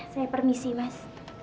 saya permisi mas